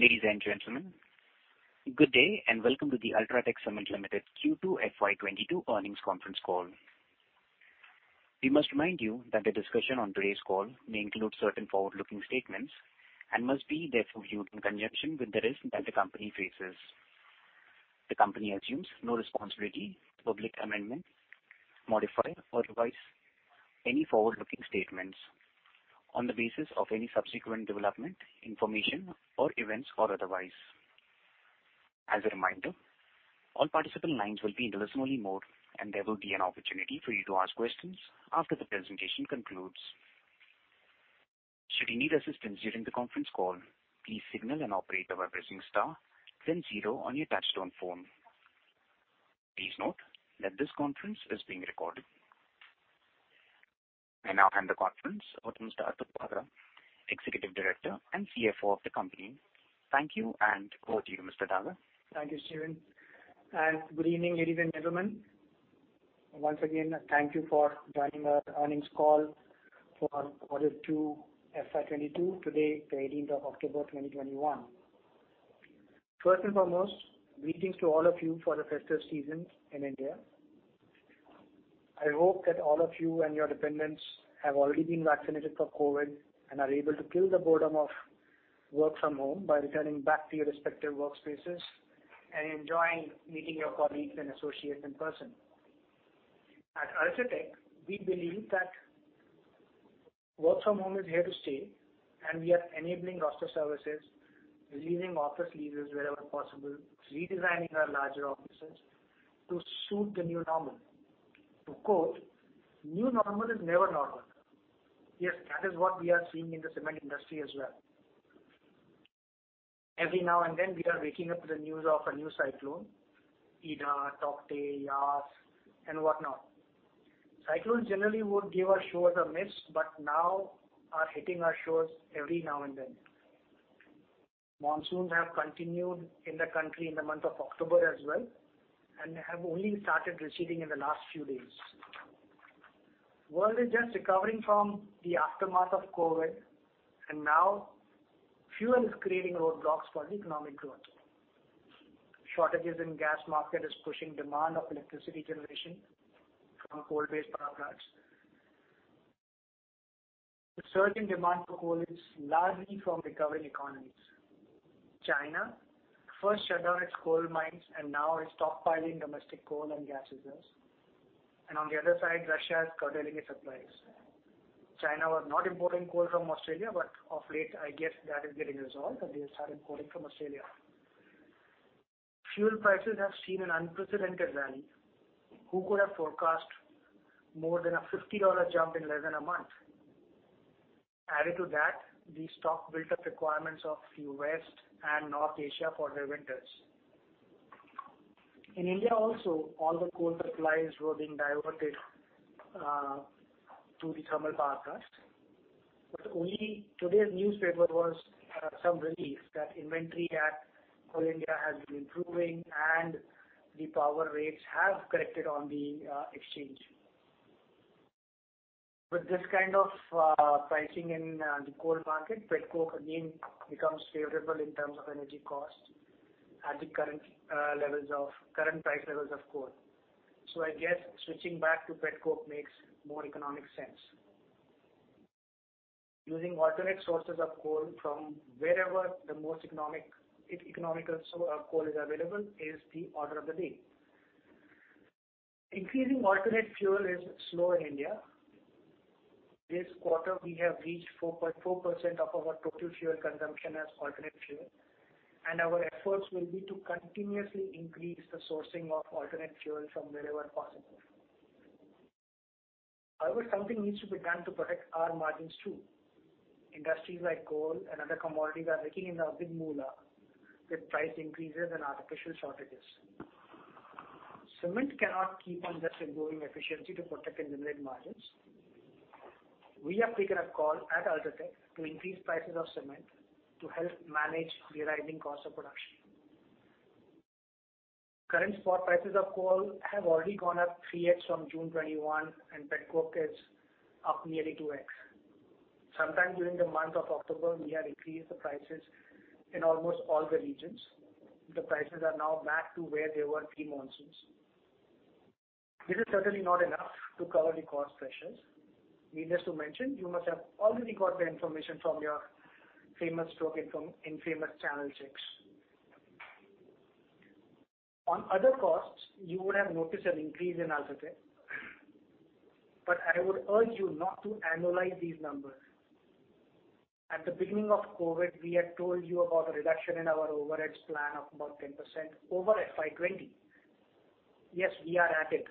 Ladies and gentlemen, good day and welcome to the UltraTech Cement Limited Q2 FY 2022 earnings conference call. We must remind you that the discussion on today's call may include certain forward-looking statements and must be therefore viewed in conjunction with the risk that the company faces. The company assumes no responsibility to public amendment, modify or revise any forward-looking statements on the basis of any subsequent development, information or events or otherwise. As a reminder, all participant lines will be in listen only mode, and there will be an opportunity for you to ask questions after the presentation concludes. Should you need assistance during the conference call, please signal an operator by pressing star then zero on your touchtone phone. Please note that this conference is being recorded. I now hand the conference over to Mr. Atul Daga, Executive Director and CFO of the company. Thank you, and over to you, Mr. Daga. Thank you, Steven, and good evening, ladies and gentlemen. Once again, thank you for joining our earnings call for quarter two FY 2022 today, the 18th of October 2021. First and foremost, greetings to all of you for the festive season in India. I hope that all of you and your dependents have already been vaccinated for COVID and are able to kill the boredom of work from home by returning back to your respective workspaces and enjoying meeting your colleagues and associates in person. At UltraTech, we believe that work from home is here to stay and we are enabling roster services, relieving office leaders wherever possible, redesigning our larger offices to suit the new normal. To quote, "New normal is never normal." Yes, that is what we are seeing in the cement industry as well. Every now and then we are waking up to the news of a new cyclone. Ida, Tauktae, Yaas and whatnot. Cyclones generally would give our shores a miss but now are hitting our shores every now and then. Monsoons have continued in the country in the month of October as well and have only started receding in the last few days. World is just recovering from the aftermath of COVID and now fuel is creating roadblocks for economic growth. Shortages in gas market is pushing demand of electricity generation from coal-based power plants. The surge in demand for coal is largely from recovering economies. China first shut down its coal mines and now is stockpiling domestic coal and gas reserves. On the other side, Russia is curtailing its supplies. China was not importing coal from Australia, but of late I guess that is getting resolved that they have started importing from Australia. Fuel prices have seen an unprecedented rally. Who could have forecast more than a $50 jump in less than a month? Added to that, the stock built up requirements of U.S. and North Asia for their winters. In India also, all the coal supplies were being diverted to the thermal power plants. Today's newspaper was some relief that inventory at Coal India has been improving and the power rates have corrected on the exchange. With this kind of pricing in the coal market, pet coke again becomes favorable in terms of energy cost at the current price levels of coal. I guess switching back to pet coke makes more economic sense. Using alternate sources of coal from wherever the most economical coal is available is the order of the day. Increasing alternate fuel is slow in India. This quarter, we have reached 4.4% of our total fuel consumption as alternate fuel and our efforts will be to continuously increase the sourcing of alternate fuel from wherever possible. However, something needs to be done to protect our margins too. Industries like coal and other commodities are raking in the big moolah with price increases and artificial shortages. Cement cannot keep on just improving efficiency to protect and limit margins. We have taken a call at UltraTech to increase prices of cement to help manage the rising cost of production. Current spot prices of coal have already gone up 3X from June 2021 and pet coke is up nearly 2X. Sometime during the month of October, we have increased the prices in almost all the regions. The prices are now back to where they were pre-monsoons. This is certainly not enough to cover the cost pressures. Needless to mention, you must have already got the information from your infamous channel checks. On other costs, you would have noticed an increase in UltraTech. I would urge you not to annualize these numbers. At the beginning of COVID, we had told you about a reduction in our overheads plan of about 10% over FY 2020. Yes, we are at it.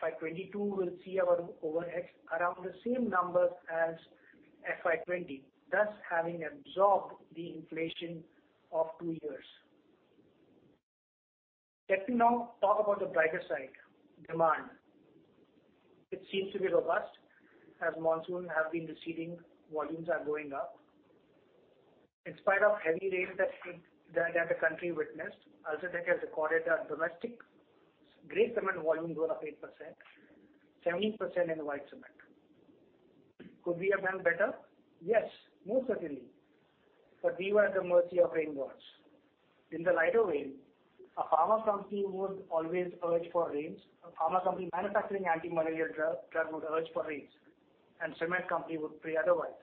FY 2022 will see our overheads around the same number as FY 2020, thus having absorbed the inflation of 2 years. Let me now talk about the brighter side, demand. It seems to be robust. As monsoon have been receding, volumes are going up. In spite of heavy rain that the country witnessed, UltraTech has recorded a domestic gray cement volume growth of 8%, 17% in white cement. Could we have done better? Yes, most certainly, but we were at the mercy of rain gods. In the light of rain, a pharma company would always urge for rains. A pharma company manufacturing anti-malaria drug would urge for rains, and cement company would pray otherwise.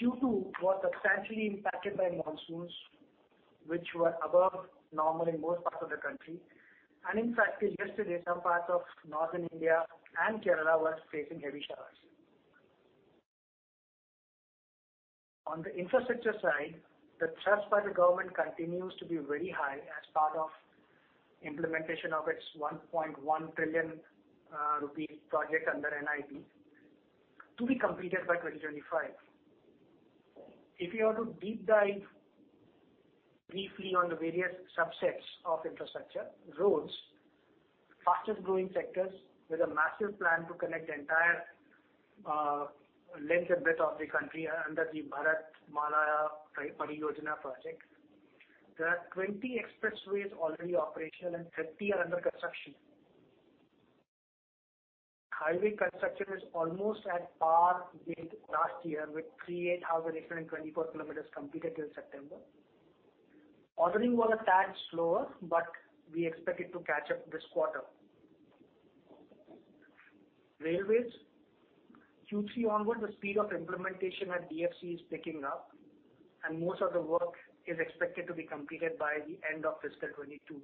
Q2 was substantially impacted by monsoons, which were above normal in most parts of the country. In fact, till yesterday, some parts of Northern India and Kerala were facing heavy showers. On the infrastructure side, the trust by the government continues to be very high as part of implementation of its 1.1 trillion rupees project under NIP to be completed by 2025. If you are to deep dive briefly on the various subsets of infrastructure, roads, fastest growing sectors with a massive plan to connect entire length and breadth of the country under the Bharatmala Pariyojana project. There are 20 expressways already operational and 30 are under construction. Highway construction is almost at par with last year, with 3,824 km completed till September. Ordering was a tad slower, but we expect it to catch up this quarter. Railways. Q3 onwards, the speed of implementation at DFC is picking up, and most of the work is expected to be completed by the end of fiscal 2022.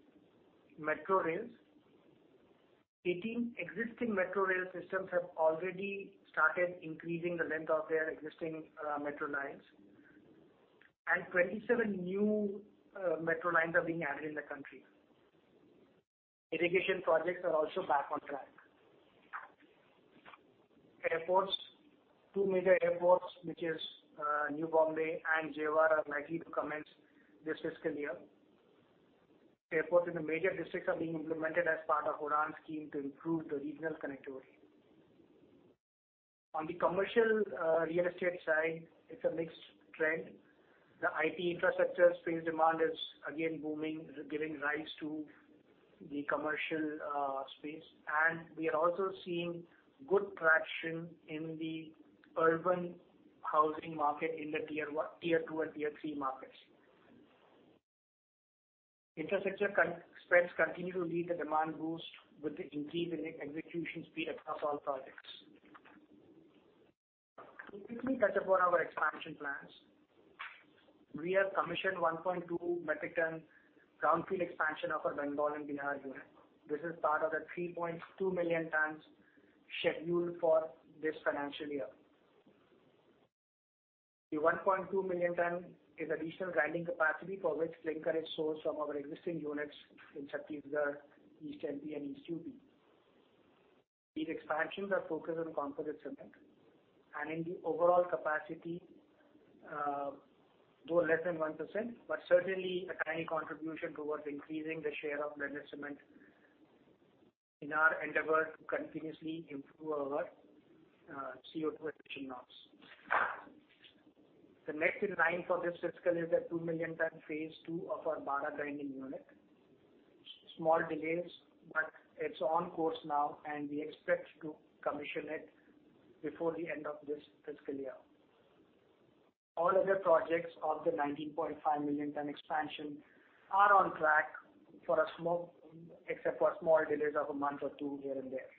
Metro rails. 18 existing metro rail systems have already started increasing the length of their existing metro lines, and 27 new metro lines are being added in the country. Irrigation projects are also back on track. Airports. Two major airports, which is New Bombay and Jewar, are likely to commence this fiscal year. Airports in the major districts are being implemented as part of UDAN scheme to improve the regional connectivity. On the commercial real estate side, it's a mixed trend. The IT infrastructure space demand is again booming, giving rise to the commercial space. We are also seeing good traction in the urban housing market in the Tier 2 and Tier 3 markets. Infrastructure spends continue to lead the demand boost with the increase in execution speed across all projects. To quickly touch upon our expansion plans. We have commissioned 1.2 metric ton greenfield expansion of our Bengal and Bihar unit. This is part of the 3.2 million tons scheduled for this financial year. The 1.2 million tons is additional grinding capacity for which clinker is sourced from our existing units in Chhattisgarh, East MP, and East UP. These expansions are focused on composite cement and in the overall capacity, grow less than 1%, but certainly a tiny contribution towards increasing the share of blended cement in our endeavor to continuously improve our CO2 emission norms. The next in line for this fiscal is the 2 million tons phase II of our Bara grinding unit. Small delays. It's on course now. We expect to commission it before the end of this fiscal year. All other projects of the 19.5 million tons expansion are on track except for small delays of a month or two here and there.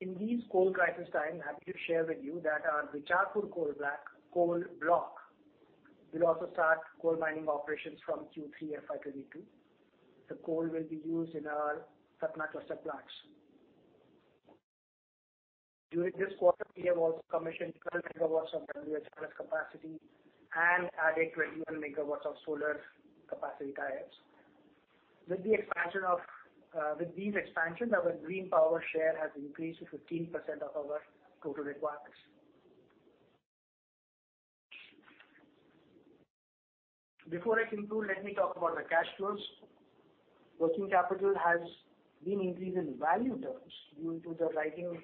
In these coal crisis time, happy to share with you that our Bicharpur coal block will also start coal mining operations from Q3 FY 2022. The coal will be used in our Satna cluster plants. During this quarter, we have also commissioned 12 MW of WHRS capacity and added 21 MW of solar capacity sites. With these expansions, our green power share has increased to 15% of our total requirements. Before I conclude, let me talk about the cash flows. Working capital has been increased in value terms due to the rising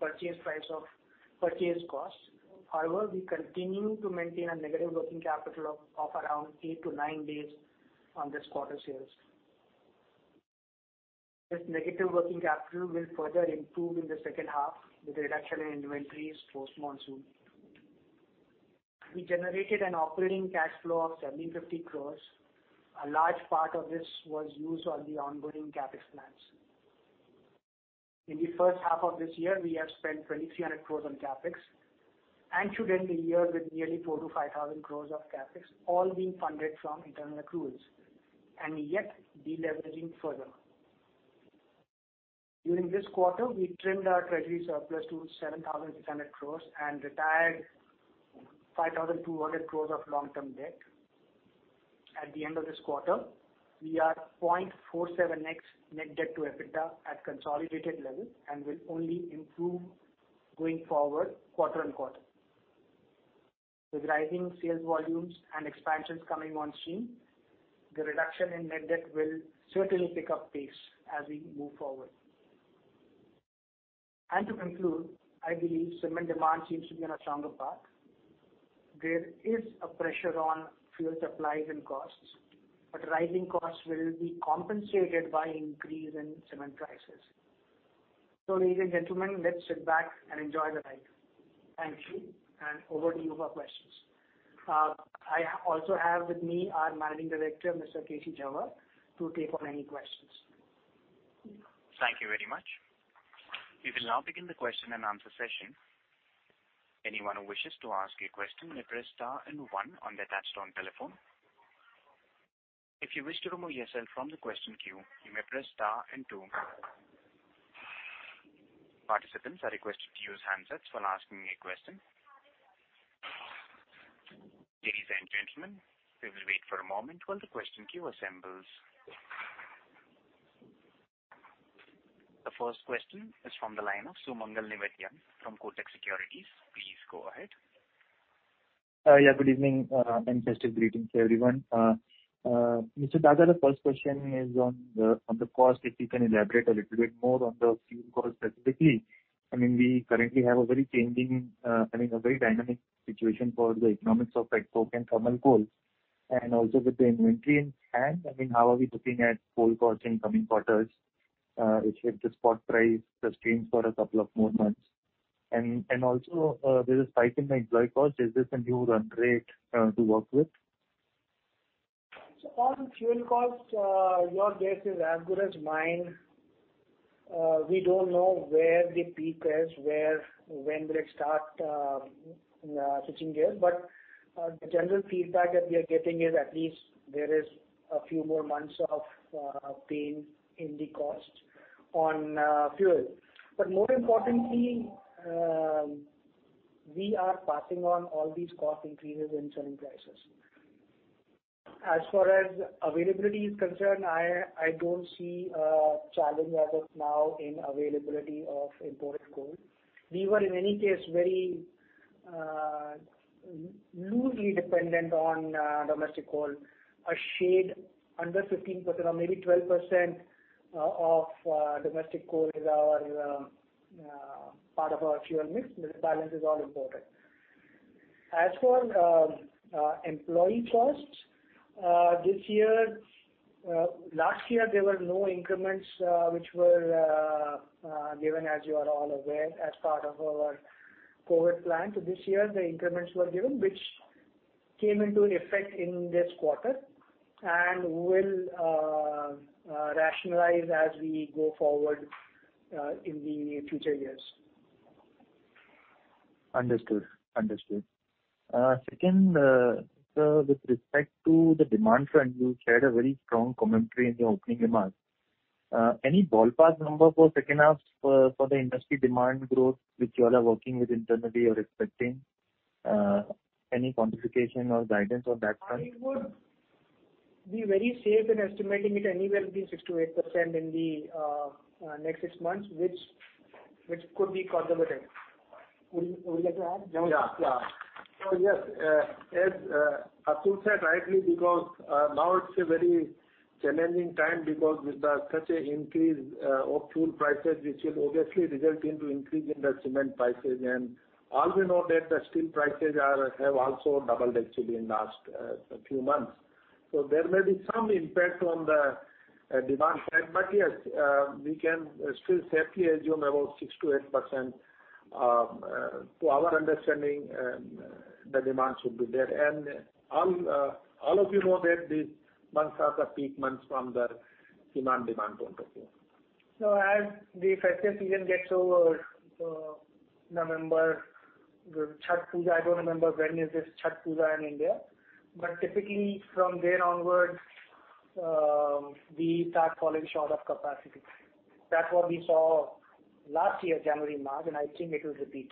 purchase costs. However, we continue to maintain a negative working capital of around 8 days-9 days on this quarter's sales. This negative working capital will further improve in the second half with reduction in inventories post-monsoon. We generated an operating cash flow of 1,750 crore. A large part of this was used on the ongoing CapEx plans. In the first half of this year, we have spent 2,300 crores on CapEx and should end the year with nearly 4,000 crores-5,000 crores of CapEx all being funded from internal accruals, and yet deleveraging further. During this quarter, we trimmed our treasury surplus to 7,600 crores and retired 5,200 crores of long-term debt. At the end of this quarter, we are 0.47x net debt to EBITDA at consolidated level and will only improve going forward quarter-on-quarter. With rising sales volumes and expansions coming on stream, the reduction in net debt will certainly pick up pace as we move forward. To conclude, I believe cement demand seems to be on a stronger path. There is a pressure on fuel supplies and costs, but rising costs will be compensated by increase in cement prices. Ladies and gentlemen, let's sit back and enjoy the ride. Thank you, and over to you for questions. I also have with me our Managing Director, Mr. K. C. Jhanwar, to take on any questions. Thank you very much. We will now begin the question and answer session. The first question is from the line of Sumangal Nevatia from Kotak Securities. Please go ahead. Yeah. Good evening, and festive greetings to everyone. Mr. Daga, the first question is on the cost. If you can elaborate a little bit more on the fuel cost specifically. We currently have a very changing, a very dynamic situation for the economics of pet coke and thermal coal. Also with the inventory in hand, how are we looking at coal costs in coming quarters, if the spot price sustains for a couple of more months? Also, there's a spike in the employee cost. Is this a new run rate to work with? On fuel costs, your guess is as good as mine. We don't know where the peak is, when will it start switching gears. The general feedback that we are getting is at least there is a few more months of pain in the cost on fuel. More importantly, we are passing on all these cost increases in cement prices. As far as availability is concerned, I don't see a challenge as of now in availability of imported coal. We were, in any case, very loosely dependent on domestic coal. A shade under 15%, or maybe 12% of domestic coal is part of our fuel mix. The balance is all imported. As for employee costs, last year there were no increments which were given, as you are all aware, as part of our COVID plan. This year, the increments were given, which came into effect in this quarter and will rationalize as we go forward in the near future years. Understood. Second, sir, with respect to the demand front, you shared a very strong commentary in your opening remarks. Any ballpark number for second half for the industry demand growth, which you all are working with internally or expecting? Any quantification or guidance on that front? I would be very safe in estimating it anywhere between 6%-8% in the next six months, which could be conservative. Would you like to add, K. C. Jhanwar? Yeah. Yes, as Atul said rightly, because now it's a very challenging time because with such an increase of fuel prices, which will obviously result into increase in the cement prices. All we know that the steel prices have also doubled actually in the last few months. There may be some impact on the demand side, but yes, we can still safely assume about 6%-8%. To our understanding, the demand should be there. All of you know that these months are the peak months from the cement demand point of view. As the festive season gets over, November, the Chhath Puja, I don't remember when is this Chhath Puja in India. Typically, from there onwards, we start falling short of capacity. That's what we saw last year, January, March, and I think it will repeat.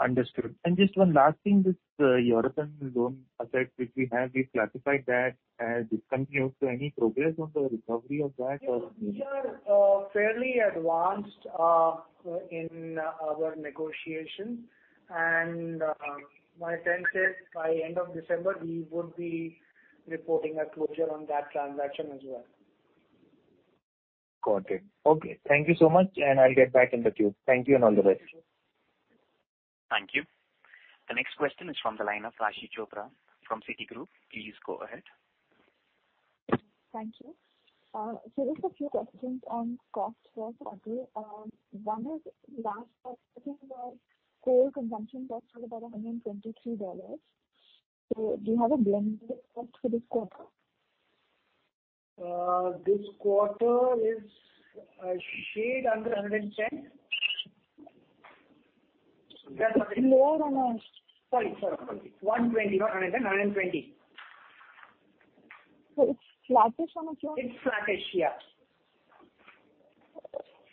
Understood. Just one last thing, this European loan asset, which we have, we've classified that as discontinued. Any progress on the recovery of that? We are fairly advanced in our negotiation, and my sense is by end of December, we would be reporting a closure on that transaction as well. Got it. Okay. Thank you so much, and I'll get back in the queue. Thank you, and all the best. Thank you. Thank you. The next question is from the line of Raashi Chopra from Citigroup. Please go ahead. Thank you. Just a few questions on cost for Atul. One is, last quarter, I think our coal consumption cost was about $123. Do you have a blended cost for this quarter? This quarter is a shade under $110. Lower than our- Sorry. $120, not $110. $120. It's flattish on a quarter. It's flattish, yeah.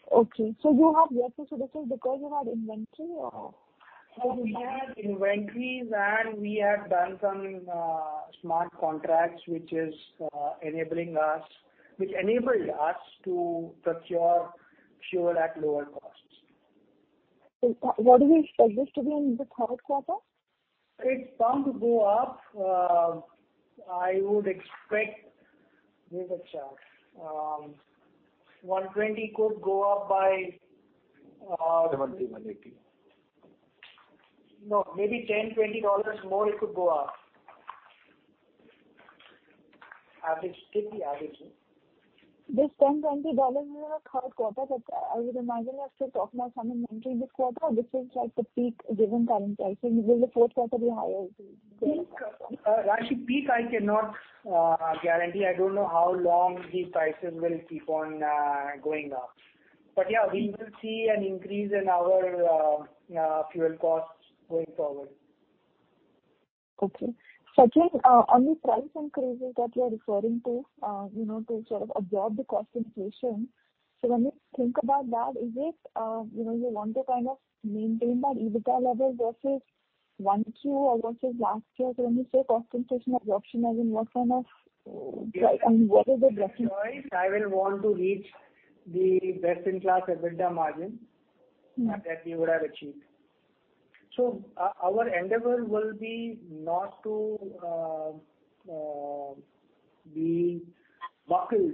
You have gotten to this one because you had inventory? We had inventories, and we have done some smart contracts, which enabled us to procure fuel at lower costs. What do you suggest will be in the third quarter? It's bound to go up. I would expect, here's a chart. $120 could go up. 70, 180. No, maybe $10, $20 more it could go up. Take the average. This INR 10, INR 20 in our third quarter, I would imagine you're still talking about some inventory this quarter. This is like the peak given current pricing. Will the fourth quarter be higher? Rajesh, peak I cannot guarantee. I don't know how long these prices will keep on going up. Yeah, we will see an increase in our fuel costs going forward. Okay. Sachin, on the price increases that you are referring to sort of absorb the cost inflation. When you think about that, is it you want to kind of maintain that EBITDA level versus 1Q or versus last year? When you say cost inflation absorption, again, what is the direction? I will want to reach the best-in-class EBITDA margin that we would have achieved. Our endeavor will be not to be buckled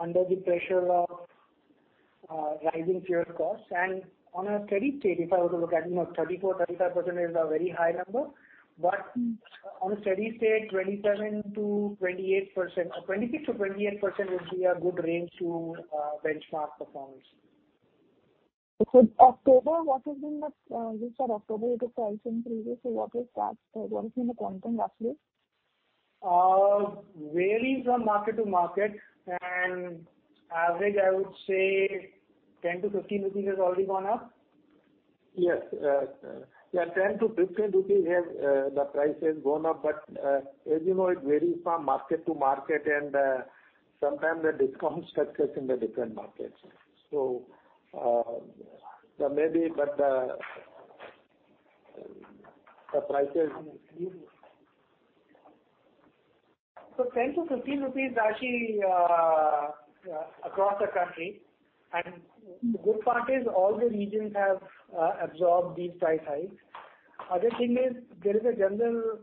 under the pressure of rising fuel costs. On a steady state, if I were to look at, 34%, 35% is a very high number, but on a steady state, 26%-28% would be a good range to benchmark performance. Since October, you took price increases. What has been the quantum roughly? Varies from market to market, and average, I would say 10-15 rupees has already gone up. Yes. Yeah, 10-15 rupees the price has gone up, as you know, it varies from market to market, and sometimes the discounts are in the different markets. INR 10-15, Rajesh, across the country, and the good part is all the regions have absorbed these price hikes. Other thing is, there is a general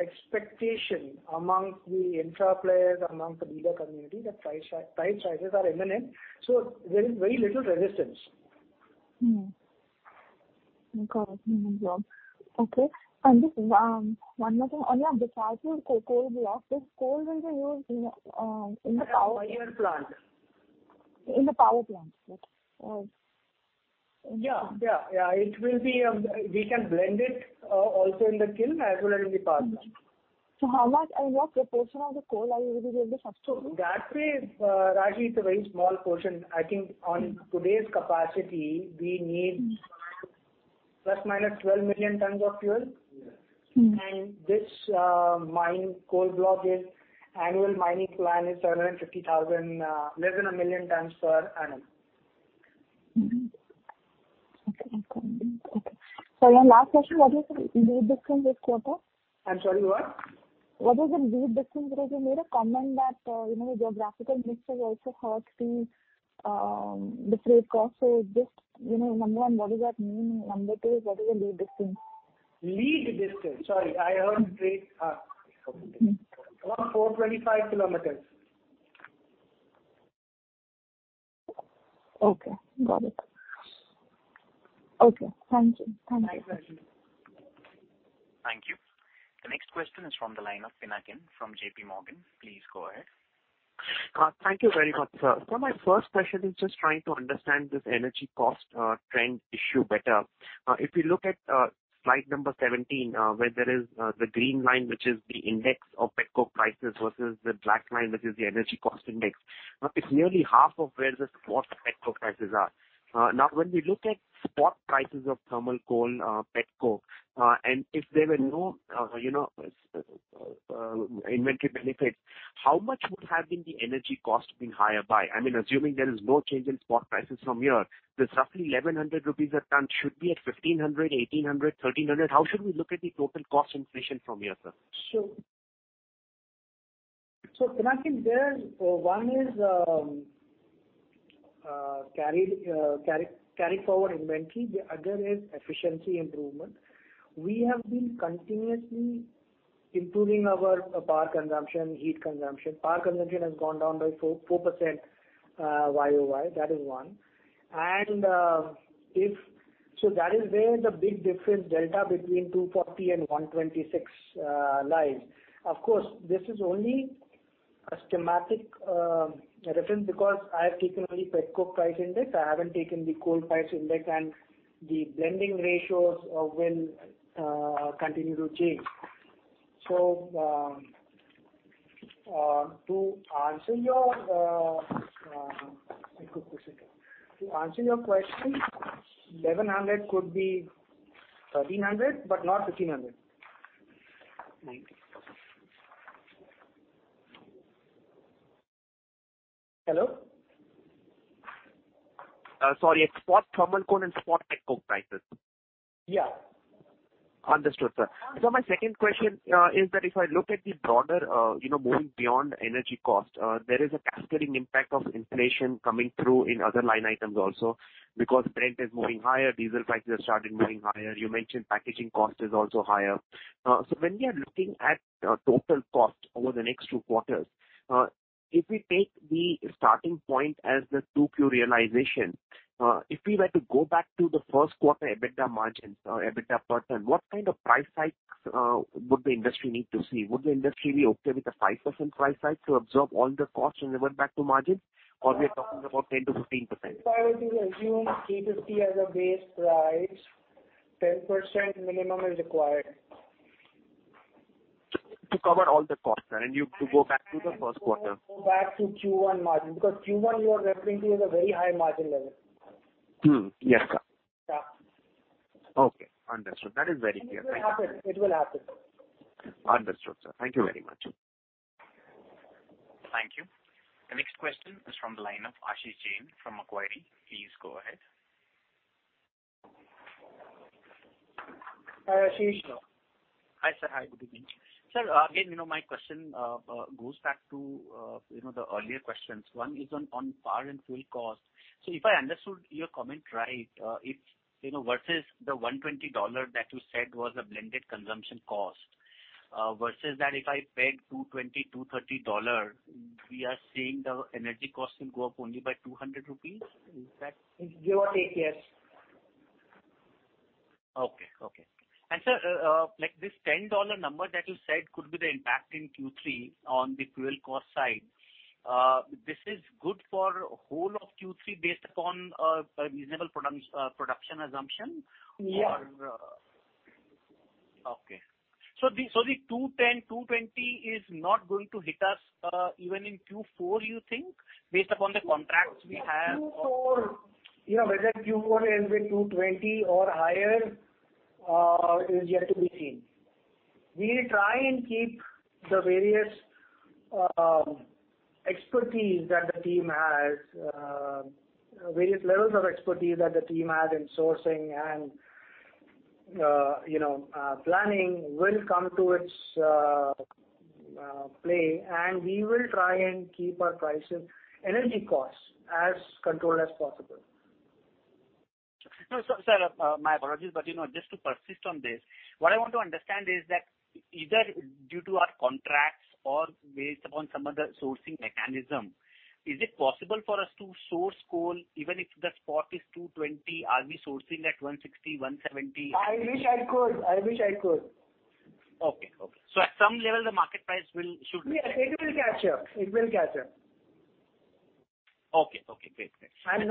expectation amongst the infra players, amongst the dealer community, that price rises are imminent, so there is very little resistance. Okay. Just one more thing. On the coal block, this coal will be used. In the power plant. In the power plant. Right. Yeah. We can blend it also in the kiln as well as in the power plant. How much approximately of the coal are you able to substitute? That way, Rajesh, it's a very small portion. I think on today's capacity, we need plus minus 12 million tons of fuel. Yes. This mine coal block is annual mining plan is 750,000, less than a million tons per annum. Okay. Last question, what is the lead distance this quarter? I'm sorry, what? What is the lead distance? You made a comment that your geographical mixture has also helped the freight cost. Just, number 1, what does that mean? Number 2, what is the lead distance? Lead distance. Sorry, I heard trade. Around 425 kilometers. Okay. Got it. Okay. Thank you. Thanks, Rajesh. Thank you. The next question is from the line of Pinakin from JPMorgan. Please go ahead. Thank you very much, sir. My first question is just trying to understand this energy cost trend issue better. If you look at slide number 17, where there is the green line, which is the index of pet coke prices versus the black line, which is the energy cost index. Now it's nearly half of where the spot pet coke prices are. When we look at spot prices of thermal coal, pet coke, and if there were no inventory benefits, how much would have been the energy cost been higher by? Assuming there is no change in spot prices from here, the roughly 1,100 rupees a ton should be at 1,500, 1,800, 1,300. How should we look at the total cost inflation from here, sir? Sure. Pinakin, there 1 is carry forward inventory. The other is efficiency improvement. We have been continuously improving our power consumption, heat consumption. Power consumption has gone down by 4% YOY. That is 1. That is where the big difference delta between 240 and 126 lies. Of course, this is only a schematic reference because I have taken only pet coke price index, I haven't taken the coal price index, and the blending ratios will continue to change. To answer your question, 1,100 could be 1,300, but not 1,500. Thank you. Hello? Sorry, spot thermal coal and spot pet coke prices. Yeah. Understood, sir. My second question is that if I look at the broader, moving beyond energy cost, there is a cascading impact of inflation coming through in other line items also, because rent is moving higher, diesel prices are starting moving higher. You mentioned packaging cost is also higher. When we are looking at total cost over the next two quarters, if we take the starting point as the 2Q realization, if we were to go back to the first quarter EBITDA margins or EBITDA per ton, what kind of price hikes would the industry need to see? Would the industry be okay with a 5% price hike to absorb all the costs and revert back to margin, or we are talking about 10%-15%? If I were to assume 350 as a base price, 10% minimum is required. To cover all the costs, and you to go back to the first quarter. To go back to Q1 margin, because Q1 you are referring to is a very high margin level. Yes, sir. Yeah. Okay, understood. That is very clear. Thank you. It will happen. Understood, sir. Thank you very much. Thank you. The next question is from the line of Ashish Jain from Macquarie. Please go ahead. Hi, Ashish. Hi, sir. Hi, good evening. Sir, again, my question goes back to the earlier questions. One is on power and fuel cost. If I understood your comment right, versus the $120 that you said was a blended consumption cost, versus that if I paid $220, $230, we are seeing the energy cost will go up only by ₹200? Is that? Give or take, yes. Okay. Sir, like this $10 number that you said could be the impact in Q3 on the fuel cost side, this is good for whole of Q3 based upon a reasonable production assumption? Yeah. Okay. The $210, $220 is not going to hit us even in Q4, you think, based upon the contracts we have? Q4, whether Q4 ends with $220 or higher, is yet to be seen. We will try and keep the various expertise that the team has, various levels of expertise that the team has in sourcing and planning will come to its play, and we will try and keep our energy costs as controlled as possible. No, sir. My apologies. Just to persist on this, what I want to understand is that either due to our contracts or based upon some other sourcing mechanism, is it possible for us to source coal even if the spot is $220, are we sourcing at $160, $170? I wish I could. Okay. At some level the market price should- It will catch up. Okay, great. Ashish, I'm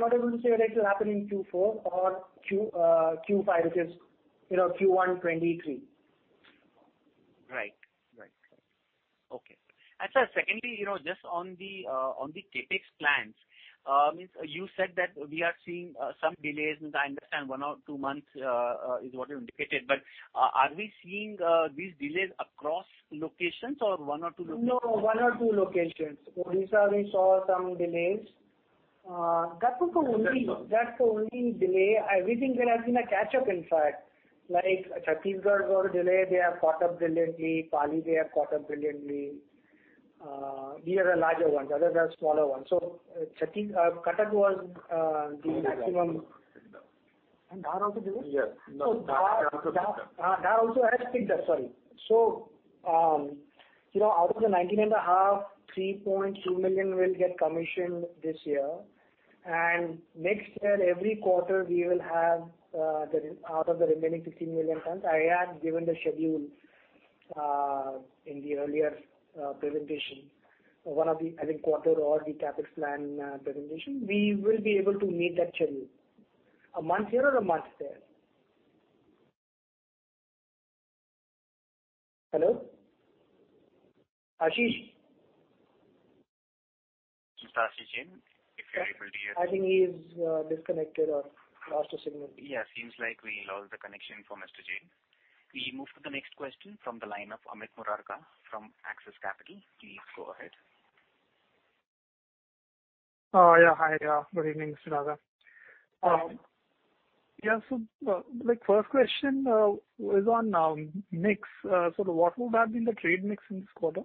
not able to say whether it will happen in Q4 or Q5, which is Q1 2023. Right. Okay. Sir, secondly, just on the CapEx plans. You said that we are seeing some delays, and I understand one or two months is what you indicated. Are we seeing these delays across locations or one or two locations? One or two locations. Odisha, we saw some delays. That's the only delay. I really think there has been a catch-up in fact. Like Chhattisgarh was delayed, they have caught up brilliantly. Pali, they have caught up brilliantly. These are the larger ones. Others are smaller ones. Cuttack was the maximum. Dhar also. Dhar also delayed? Yes. No, Dhar also picked up. Dhar also has picked up, sorry. Out of the 19.5, 3.2 million will get commissioned this year, and next year, every quarter we will have out of the remaining 16 million tons. I had given the schedule in the earlier presentation, one of the, I think, quarter or the CapEx plan presentation. We will be able to meet that schedule. A month here or a month there. Hello? Ashish? This is Ashish Jain. If you're able to hear me? I think he's disconnected or lost a signal. Yeah. Seems like we lost the connection for Mr. Jain. We move to the next question from the line of Amit Murarka from Axis Capital. Please go ahead. Hi. Good evening, Mr. Daga. My first question is on mix. What would have been the trade mix in this quarter?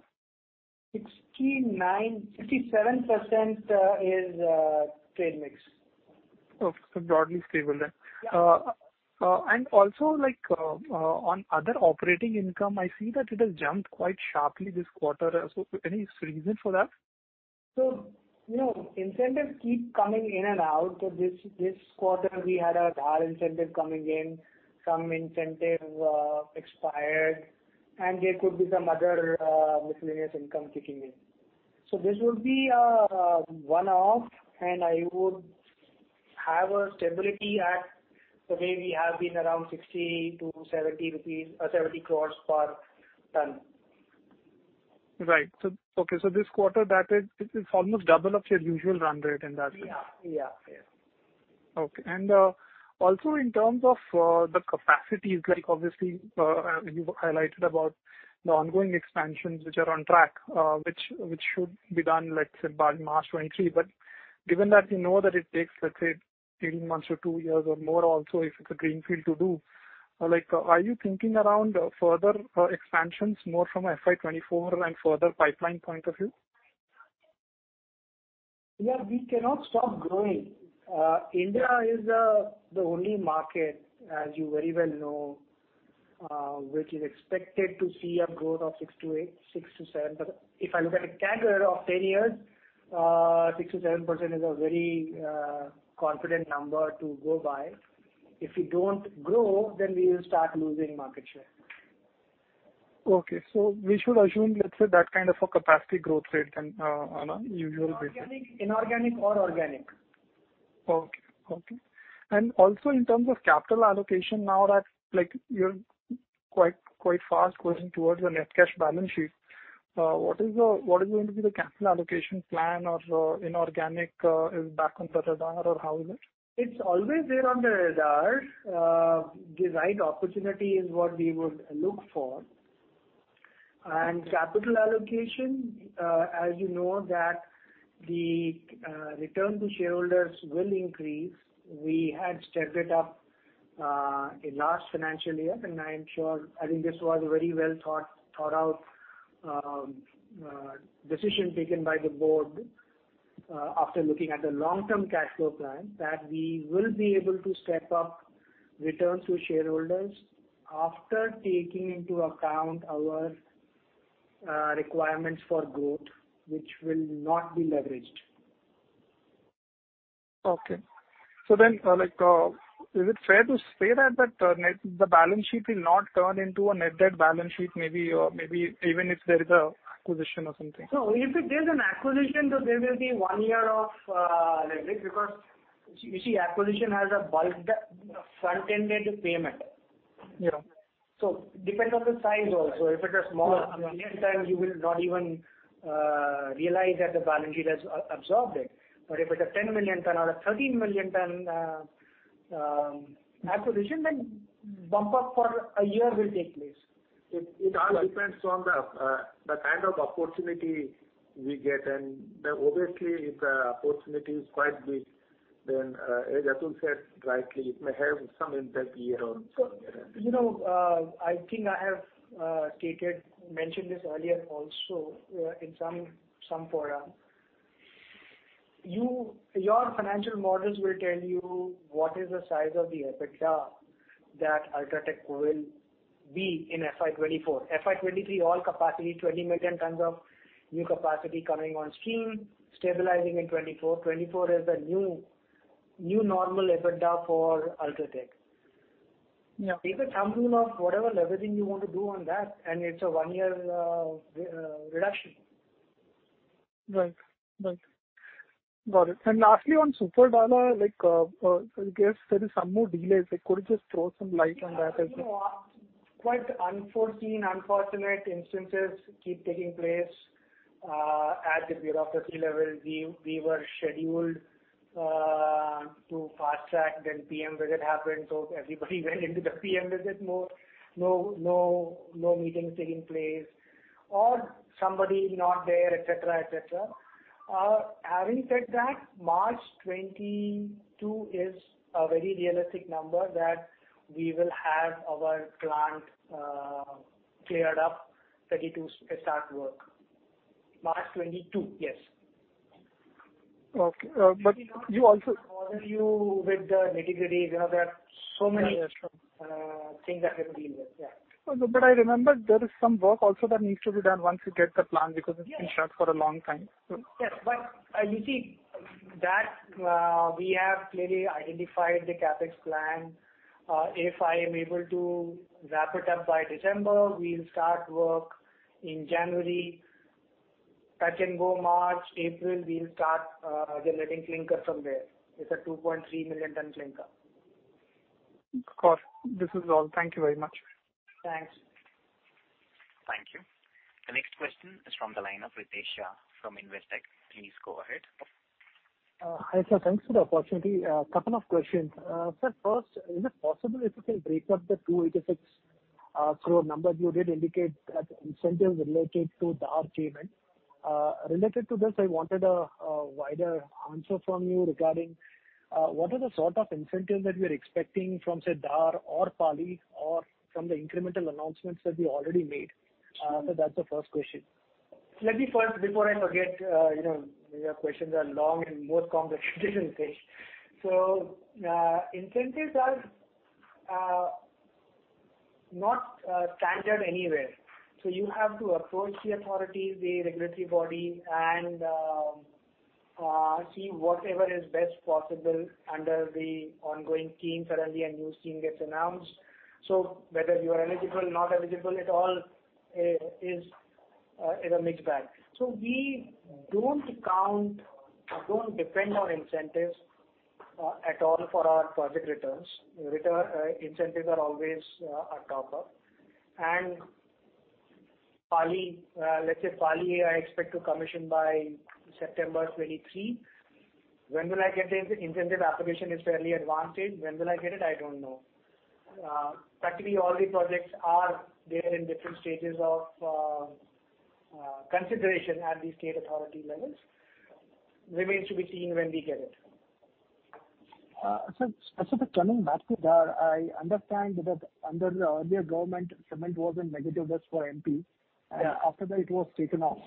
67% is trade mix. Okay. Broadly stable then. Yeah. Also on other operating income, I see that it has jumped quite sharply this quarter. Any reason for that? Incentives keep coming in and out. This quarter, we had our Dhar incentive coming in, some incentive expired, and there could be some other miscellaneous income kicking in. This would be a one-off, and I would have a stability at the way we have been around 60 crores-70 crores rupees per ton. Right. Okay, this quarter it is almost double of your usual run rate in that sense. Yeah. Okay. Also in terms of the capacities, obviously you've highlighted about the ongoing expansions which are on track, which should be done, let's say, by March 2023. Given that you know that it takes, let's say, 18 months or 2 years or more also if it's a greenfield, are you thinking around further expansions more from FY 2024 and further pipeline point of view? Yeah, we cannot stop growing. India is the only market, as you very well know, which is expected to see a growth of 6%-7%. If I look at a CAGR of 10 years, 6%-7% is a very confident number to go by. If we don't grow, then we will start losing market share. Okay. We should assume, let's say, that kind of a capacity growth rate then on a usual basis. Inorganic or organic. Okay. Also in terms of capital allocation now that you're quite fast going towards the net cash balance sheet. What is going to be the capital allocation plan or inorganic is back on the radar, or how is it? It's always there on the radar. The right opportunity is what we would look for. Capital allocation, as you know, that the return to shareholders will increase. We had stepped it up in last financial year. I think this was a very well-thought-out decision taken by the board after looking at the long-term cash flow plan, that we will be able to step up returns to shareholders after taking into account our requirements for growth, which will not be leveraged. Is it fair to say that the balance sheet will not turn into a net debt balance sheet, maybe even if there is an acquisition or something? No. If there's an acquisition, there will be one year of leverage because, you see, acquisition has a front-ended payment. Yeah. Depends on the size also. If it's a small 1 million ton, you will not even realize that the balance sheet has absorbed it. If it's a 10 million ton or a 13 million ton acquisition, then bump up for a year will take place. It all depends on the kind of opportunity we get, and obviously, if the opportunity is quite big, then as Atul said rightly, it may have some impact year-on-year. I think I have mentioned this earlier also, in some forum. Your financial models will tell you what is the size of the EBITDA that UltraTech will be in FY 2024. FY 2023, all capacity, 20 million tons of new capacity coming on stream, stabilizing in 2024. 2024 is the new normal EBITDA for UltraTech. Yeah. Take a thumb rule of whatever leveraging you want to do on that, and it's a one-year reduction. Right. Got it. Lastly, on Super Cement, I guess there is some more delays. Could you just throw some light on that as well? Quite unforeseen, unfortunate instances keep taking place at the bureaucracy level. We were scheduled to fast-track, then PM visit happened, so everybody went into the PM visit. No meetings taking place, or somebody not there, et cetera. Having said that, March 2022 is a very realistic number that we will have our plant cleared up, ready to start work. March 2022, yes. Okay. I will not bother you with the nitty-gritties. Yeah, sure. things that have been there. Yeah. I remember there is some work also that needs to be done once you get the plant, because it's been shut for a long time. Yes, you see, we have clearly identified the CapEx plan. If I am able to wrap it up by December, we'll start work in January. Touch and go March. April, we'll start generating clinker from there. It's a 2.3 million ton clinker. Of course. This is all. Thank you very much. Thanks. Thank you. The next question is from the line of Ritesh Shah from Investec. Please go ahead. Hi, sir. Thanks for the opportunity. A couple of questions. Sir, first, is it possible if you can break up the 286 crore number? You did indicate that incentive related to Dhar payment. Related to this, I wanted a wider answer from you regarding what are the sort of incentives that you're expecting from, say, Dhar or Pali or from the incremental announcements that you already made. That's the first question. Let me first, before I forget, your questions are long and more complex than say. Incentives are not standard anywhere. You have to approach the authorities, the regulatory body, and see whatever is best possible under the ongoing scheme. Suddenly a new scheme gets announced. Whether you are eligible, not eligible, it all is a mixed bag. We don't depend on incentives at all for our project returns. Incentives are always a topper. Let's say Pali, I expect to commission by September 2023. When will I get the incentive? Application is fairly advanced stage. When will I get it? I don't know. Practically all the projects are there in different stages of consideration at the state authority levels remains to be seen when we get it. Sir, coming back to Dhar. I understand that under the earlier government, cement was in negative risk for MP. Yeah. After that it was taken off.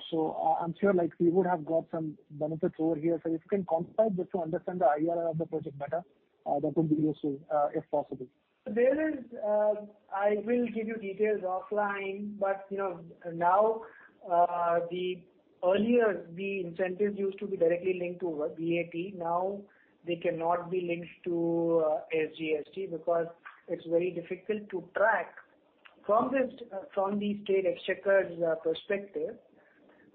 I'm sure we would have got some benefits over here. Sir, if you can compare this to understand the IRR of the project better, that would be useful, if possible. I will give you details offline. Now, earlier the incentives used to be directly linked to VAT. Now they cannot be linked to SGST because it is very difficult to track from the state exchequer's perspective,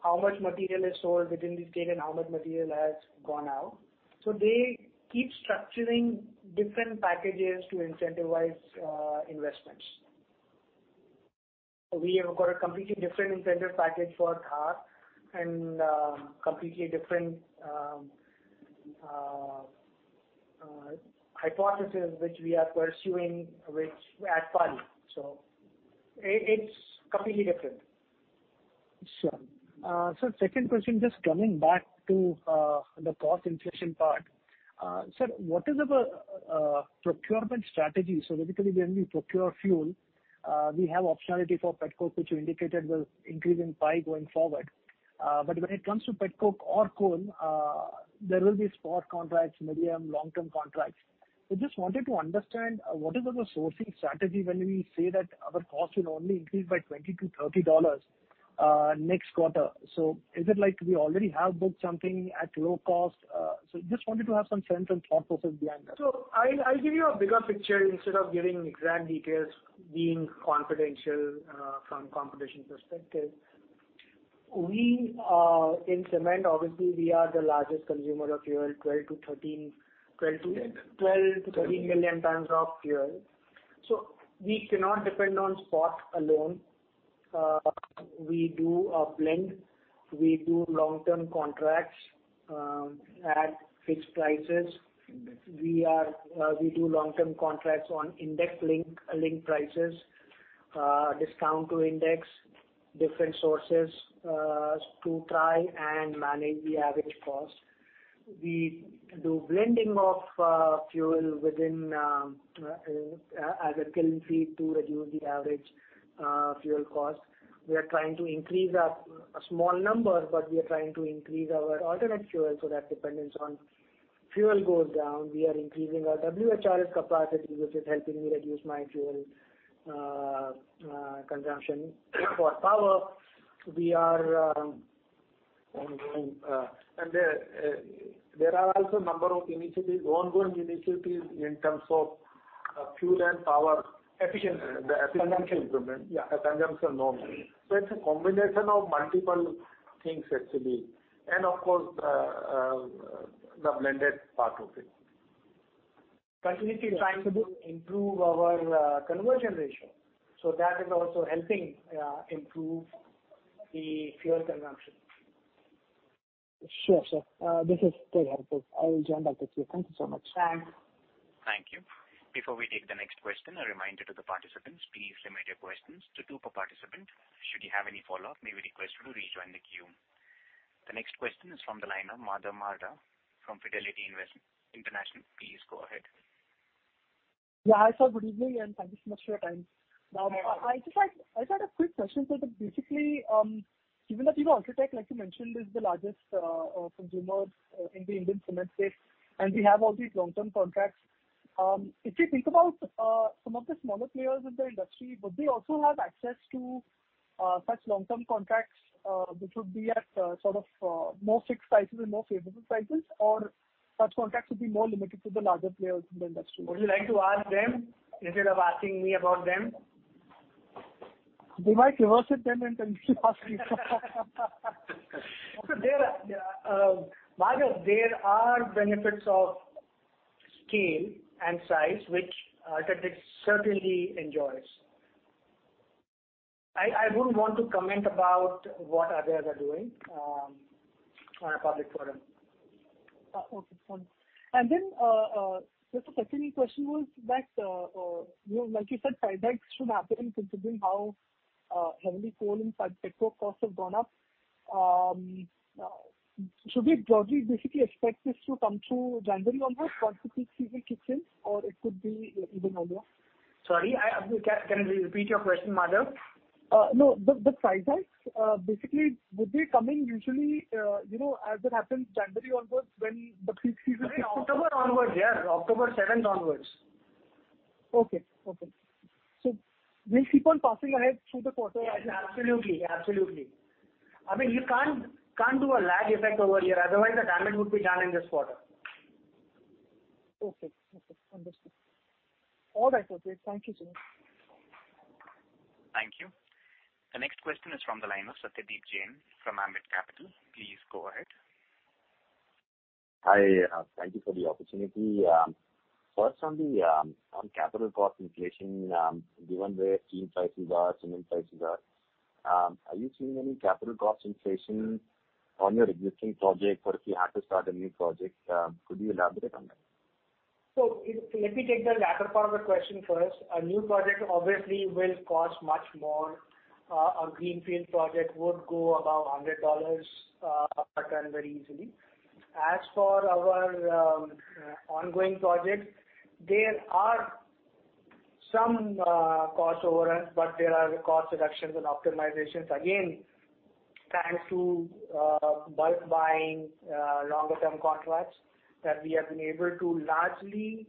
how much material is sold within the state and how much material has gone out. They keep structuring different packages to incentivize investments. We have got a completely different incentive package for Dhar and completely different hypothesis, which we are pursuing at Pali. It's completely different. Sure. Sir, second question, just coming back to the cost inflation part. Sir, what is our procurement strategy? Basically, when we procure fuel, we have optionality for pet coke, which you indicated will increase in pie going forward. When it comes to pet coke or coal, there will be spot contracts, medium, long-term contracts. I just wanted to understand, what is our sourcing strategy when we say that our cost will only increase by $20-$30 next quarter. Is it like we already have booked something at low cost? Just wanted to have some sense on thought process behind that. I'll give you a bigger picture instead of giving exact details being confidential from competition perspective. In cement, obviously, we are the largest consumer of fuel, 12 million-13 million tons of fuel. We cannot depend on spot alone. We do a blend. We do long-term contracts at fixed prices. We do long-term contracts on index-linked prices, discount to index, different sources to try and manage the average cost. We do blending of fuel within as a kiln feed to reduce the average fuel cost. We are trying to increase our alternate fuel, so that dependence on fuel goes down. We are increasing our WHRS capacity, which is helping me reduce my fuel consumption for power. There are also a number of initiatives, ongoing initiatives in terms of fuel and power. Efficiency. The efficiency improvement. Consumption. Yeah, consumption normally. It's a combination of multiple things actually, of course, the blended part of it. Continuously trying to improve our conversion ratio. That is also helping improve the fuel consumption. Sure, sir. This is very helpful. I will join back the queue. Thank you so much. Thanks. Thank you. Before we take the next question, a reminder to the participants, please limit your questions to 2 per participant. Should you have any follow-up, may we request you to rejoin the queue. The next question is from the line of Madhav Marda from Fidelity International. Please go ahead. Yeah. Hi, sir. Good evening. Thank you so much for your time. Yeah. I just had a quick question, sir. Basically, given that UltraTech, like you mentioned, is the largest consumer in the Indian cement space, and we have all these long-term contracts. If we think about some of the smaller players in the industry, would they also have access to such long-term contracts, which would be at sort of more fixed prices and more favorable prices, or such contracts would be more limited to the larger players in the industry? Would you like to ask them instead of asking me about them? We might reverse it then and tell you to ask them. Madhav, there are benefits of scale and size, which UltraTech certainly enjoys. I wouldn't want to comment about what others are doing on a public forum. Okay. Then, just a second question was that, like you said, price hikes should happen considering how heavily coal and pet coke costs have gone up. Should we broadly basically expect this to come through January onwards once the peak season kicks in, or it could be even earlier? Sorry. Can you repeat your question, Madhav? No. The price hikes, basically, would be coming usually as it happens January onwards when the peak season- October onwards, yeah. October 7th onwards. Okay. We'll keep on passing ahead through the quarter- Yeah. Absolutely. You can't do a lag effect over here, otherwise the damage would be done in this quarter. Okay. Understood. All right, sir. Thank you. Thank you. The next question is from the line of Satyadeep Jain from Ambit Capital. Please go ahead. Hi. Thank you for the opportunity. First, on capital cost inflation, given where steel prices are, cement prices are you seeing any capital cost inflation on your existing project, or if you had to start a new project? Could you elaborate on that? Let me take the latter part of the question first. A new project obviously will cost much more. A greenfield project would go above $100 a ton very easily. As for our ongoing projects, there are some cost overruns, but there are cost reductions and optimizations. Again, thanks to bulk buying longer term contracts that we have been able to largely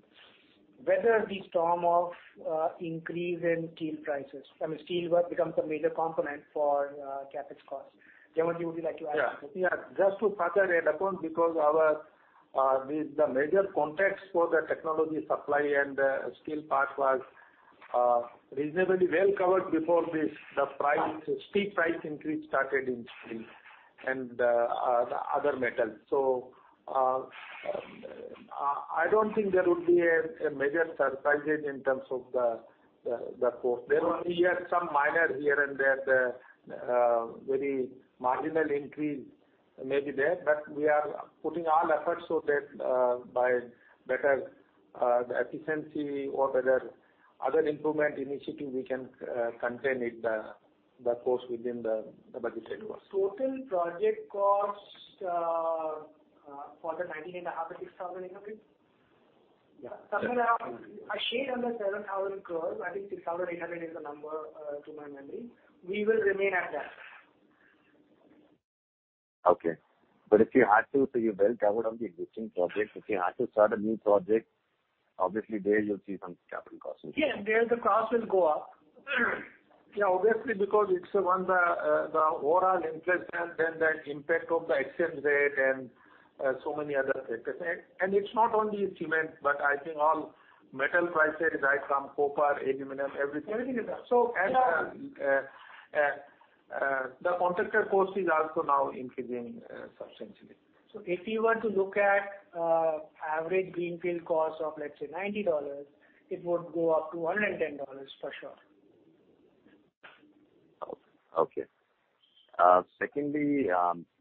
weather the storm of increase in steel prices. I mean, steel work becomes a major component for CapEx costs. K. C. Jhanwar, do you would like to add something? Yeah. Just to further add upon, because the major contracts for the technology supply and the steel part was reasonably well covered before the steep price increase started in steel and the other metals. I don't think there would be a major surprise in terms of the cost. There will be some minor here and there. Very marginal increase may be there, but we are putting all efforts so that by better efficiency or better other improvement initiatives, we can contain the cost within the budgeted cost. Total project cost for the 19.5 or INR 6,800? Yeah. Somewhere around, a shade under 7,000 crores. I think 6,800 is the number to my memory. We will remain at that. Okay. You're well covered on the existing projects. If you had to start a new project, obviously there you'll see some capital costs. Yeah. There the cost will go up. Yeah, obviously, because it's one, the overall inflation, the impact of the exchange rate and so many other factors. It's not only cement, but I think all metal prices, right from copper, aluminum, everything. Everything is up. The contractor cost is also now increasing substantially. If you were to look at average greenfield cost of, let's say $90, it would go up to $110 for sure. Okay. Secondly,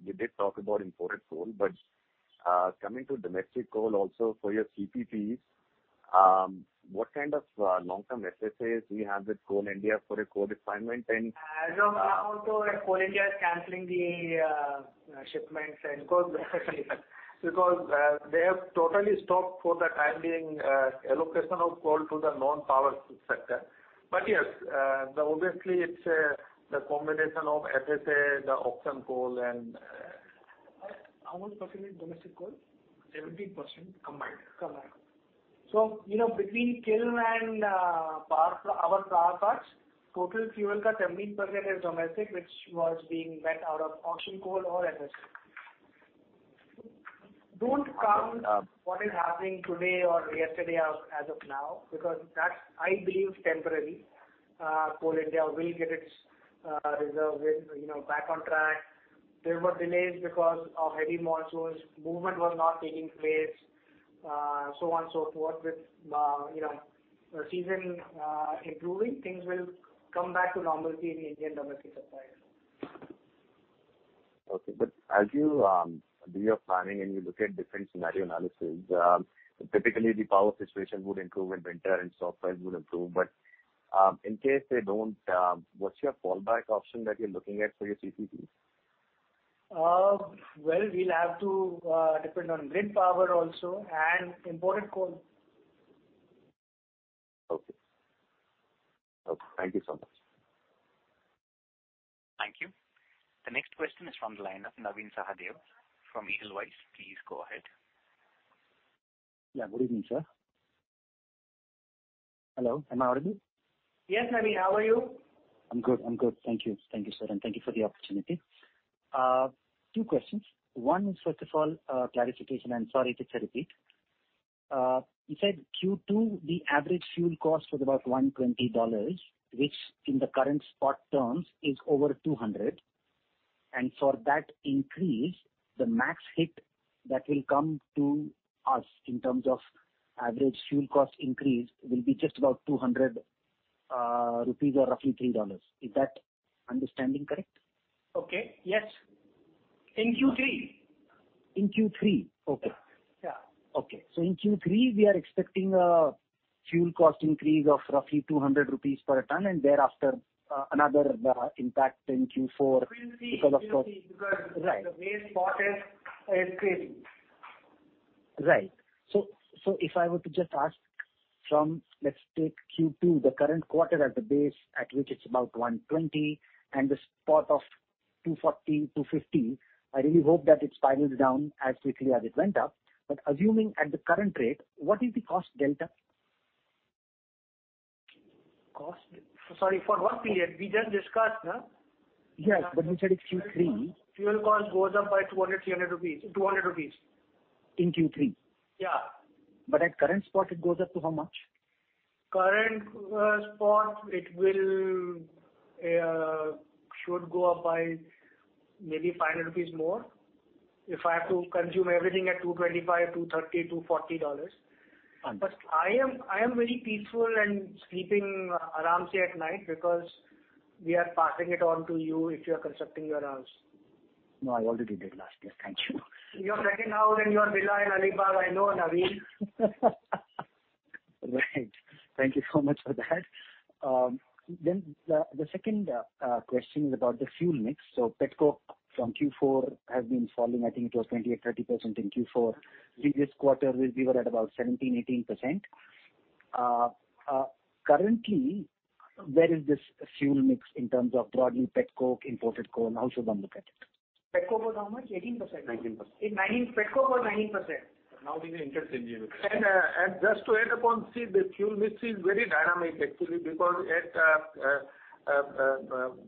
you did talk about imported coal, but coming to domestic coal also for your CPPs, what kind of long-term FSAs do you have with Coal India for a coal consignment? As of now also Coal India is canceling the shipments and coal. They have totally stopped for the time being, allocation of coal to the non-power sector. Yes, obviously it's the combination of FSA, the auction coal and. How much % is domestic coal? 17% combined. Combined. Between kiln and our power plants, total fuel cut 17% is domestic, which was being met out of auction coal or FSA. Don't count what is happening today or yesterday as of now, because that I believe, temporary. Coal India will get its reserve back on track. There were delays because of heavy monsoons. Movement was not taking place, so on and so forth. With season improving, things will come back to normalcy in Indian domestic supply. Okay. As you do your planning and you look at different scenario analysis, typically the power situation would improve in winter and supplies would improve. In case they don't, what's your fallback option that you're looking at for your CPPs? Well, we'll have to depend on green power also and imported coal. Okay. Thank you so much. Thank you. The next question is from the line of Navin Sahadeo from Edelweiss. Please go ahead. Yeah. Good evening, sir. Hello, am I audible? Yes, Navin. How are you? I'm good. Thank you. Thank you, sir. Thank you for the opportunity. Two questions. One is, first of all, clarification. Sorry if it's a repeat. You said Q2, the average fuel cost was about $120, which in the current spot terms is over $200. For that increase, the max hit that will come to us in terms of average fuel cost increase will be just about 200 rupees or roughly $3. Is that understanding correct? Okay. Yes. In Q3. In Q3? Okay. Yeah. Okay. In Q3, we are expecting a fuel cost increase of roughly 200 rupees per ton, and thereafter another impact in Q4. You will see. Right the way spot is crazy. Right. If I were to just ask from, let's take Q2, the current quarter at the base at which it's about $120 and the spot of $240-$250, I really hope that it spirals down as quickly as it went up. Assuming at the current rate, what is the cost delta? Sorry, for what period? We just discussed. Yes, you said it's Q3. Fuel cost goes up by 200, 300 rupees, 200 rupees. In Q3? Yeah. At current spot, it goes up to how much? Current spot, it should go up by maybe 500 rupees more. If I have to consume everything at $225, $230, $240. Understood. I am very peaceful and sleeping comfortably at night because we are passing it on to you if you are constructing your house. No, I already did last year. Thank you. You're second now in your villa in Alibaug. I know, Navin. Right. Thank you so much for that. The second question is about the fuel mix. Pet coke from Q4 has been falling. I think it was 28%, 30% in Q4. This quarter we were at about 17%, 18%. Currently, where is this fuel mix in terms of broadly pet coke, imported coal, how should one look at it? Pet coke was how much? 18%? 19%. Pet coke was 19%. Now he's interested in you. Just to add upon, see, the fuel mix is very dynamic, actually, because at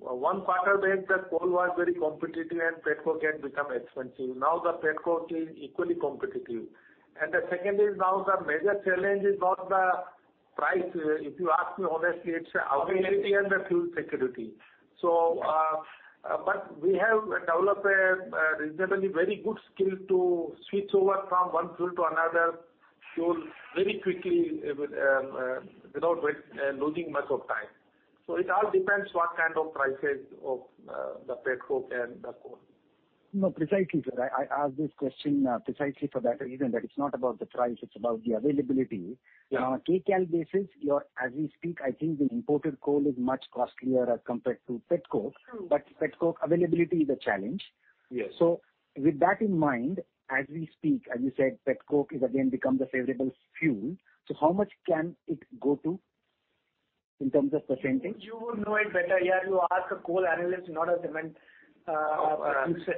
one point of time the coal was very competitive, and pet coke had become expensive. Now the pet coke is equally competitive. The second is now the major challenge is not the price. If you ask me honestly, it's availability and the fuel security. We have developed a reasonably very good skill to switch over from one fuel to another fuel very quickly without losing much of time. It all depends what kind of prices of the pet coke and the coal. No, precisely, sir. I asked this question precisely for that reason, that it's not about the price, it's about the availability. Yeah. On a kcal basis, as we speak, I think the imported coal is much costlier as compared to pet coke. True. Pet coke availability is a challenge. Yes. With that in mind, as we speak, as you said, pet coke is again become the favorable fuel. How much can it go to in terms of %? You would know it better. You ask a coal analyst, not a cement industry.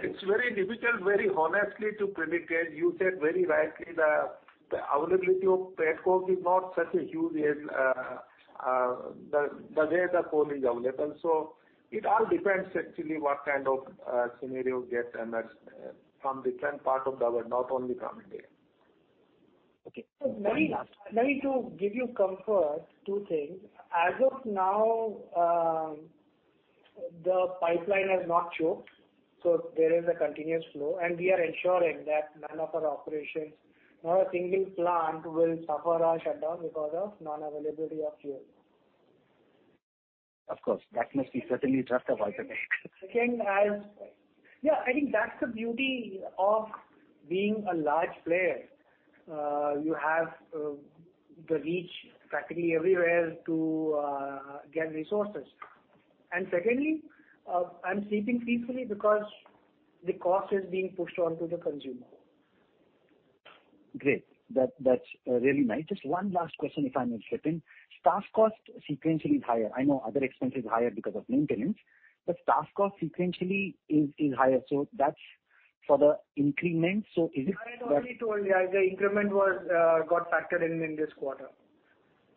It's very difficult, very honestly, to predict. You said very rightly, the availability of pet coke is not such a huge as the way the coal is available. It all depends actually what kind of scenario gets emerged from different parts of the world, not only from India. Okay. One last- Navin, to give you comfort, two things. As of now, the pipeline has not choked, so there is a continuous flow, and we are ensuring that none of our operations, not a single plant will suffer or shut down because of non-availability of fuel. Of course, that must be certainly draft of ultimate. Again, I think that's the beauty of being a large player. You have the reach, factory everywhere to get resources. Secondly, I'm sleeping peacefully because the cost is being pushed on to the consumer. Great. That's really nice. Just one last question, if I may slip in. Staff cost sequentially is higher. I know other expense is higher because of maintenance. Staff cost sequentially is higher. That's for the increment. I already told you, the increment got factored in in this quarter.